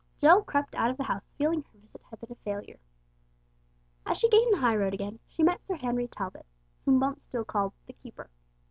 Jill crept out of the house feeling her visit had been a failure. As she gained the high road again, she met Sir Henry Talbot, whom Bumps still called the "keeper."